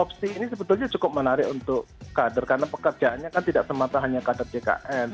opsi ini sebetulnya cukup menarik untuk kader karena pekerjaannya kan tidak semata hanya kader jkn